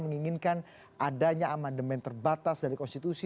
menginginkan adanya amandemen terbatas dari konstitusi